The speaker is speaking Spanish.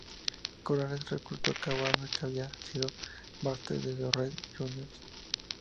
Corales reclutó a Cavada, que había sido baterista de Los Red Juniors.